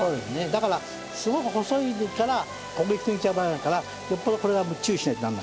だからすごく細いから焦げついちゃう場合があるからよっぽどこれは注意しないとダメ。